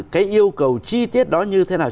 cái yêu cầu chi tiết đó như thế nào